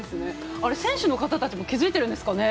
あれ、選手の方たちも気付いているんですかね